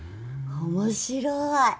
面白い。